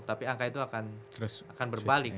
tapi angka itu akan berbalik